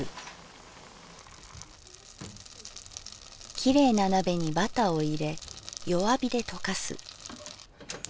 「きれいな鍋にバタをいれ弱火でとかす」。